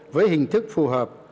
với hình thức phù hợp